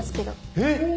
えっ。